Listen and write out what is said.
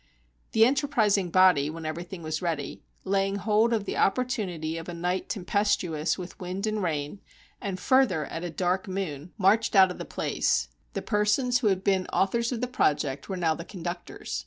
The enterprising body, when everything was ready, laying hold of the opportunity of a night tempestuous with wind and rain, and further at a dark moon, marched 1 60 THE SIEGE OF PLAT^A out of the place. The persons who had been authors of the project were now the conductors.